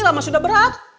saya sudah berat